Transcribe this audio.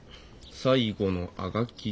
最後のあがき。